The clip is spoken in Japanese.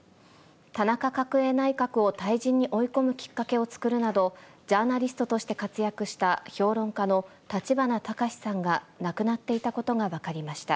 田中角栄内閣を退陣に追い込むきっかけを作るなど、ジャーナリストとして活躍した評論家の立花隆さんが亡くなっていたことが分かりました。